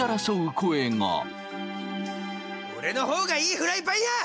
俺の方がいいフライパンや！